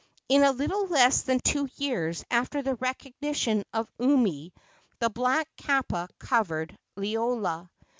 In a little less than two years after the recognition of Umi the black kapa covered Liloa.